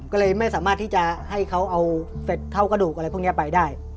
ก็เลยไม่สามารถที่จะให้เขาเอาเท่ากระดูกอะไรพวกนี้ไปได้